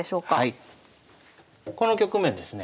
この局面ですね